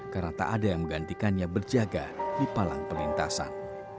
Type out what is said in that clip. karena tak ada yang menggantikannya berjaga di palang perlintasan